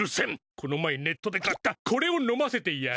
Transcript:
この前ネットで買ったこれを飲ませてやる。